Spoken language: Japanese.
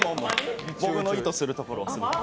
僕の意図するところを。